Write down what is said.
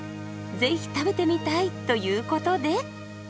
是非食べてみたい！ということで。